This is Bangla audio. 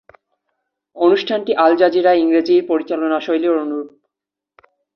অনুষ্ঠানটি আল জাজিরা ইংরেজির পরিচালনা শৈলীর অনুরূপ।